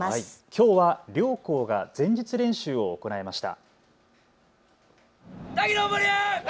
きょうは両校が前日練習を行いました。